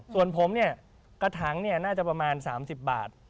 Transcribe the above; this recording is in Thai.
ส่วนผมเนี่ยกระถังเนี่ยน่าจะประมาณ๓๐บาท